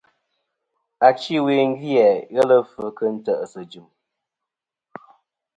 Achi ɨwe gvi-a ghelɨ fvɨ kɨ nte ̀sɨ jɨm.